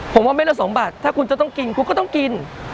ผมว่าเม็ดละสมบัติถ้าคุณจะต้องกินคุณก็ต้องกิน